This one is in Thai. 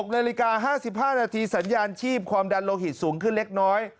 ๖นาฬิกา๕๕นาทีสัญญาณชีพความดันโลหิตสูงขึ้นเล็กน้อย